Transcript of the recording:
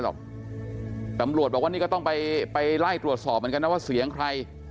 หรอกตำรวจบอกว่านี่ก็ต้องไปไล่ตรวจสอบเหมือนกันนะว่าเสียงใคร